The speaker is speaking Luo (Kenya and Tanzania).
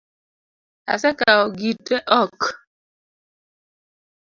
Asekawo gite ok.